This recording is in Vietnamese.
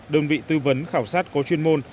đơn vị tư vấn khảo sát có chuyên môn